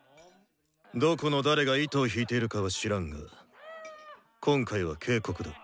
どこの誰が糸を引いているかは知らんが今回は警告だ。